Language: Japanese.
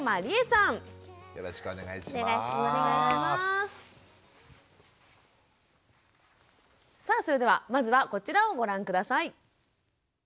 さあそれではまずはこちらをご覧下さい。